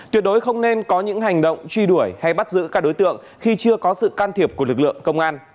tuyệt đối không nên có những hành động truy đuổi hay bắt giữ các đối tượng khi chưa có sự can thiệp của lực lượng công an